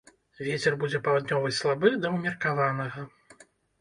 Вецер будзе паўднёвы слабы да ўмеркаванага.